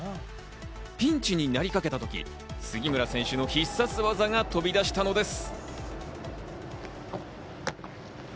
ピンチになりかけたとき、杉村選手の必殺技が飛び出したのです。